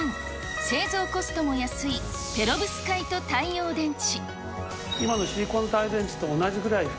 製造コストも安いペロブスカイト太陽電池。